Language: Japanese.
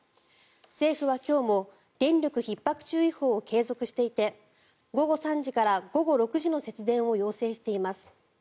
政府は今日も電力需給ひっ迫注意報を継続していて午後３時から午後６時の節電を要請しています。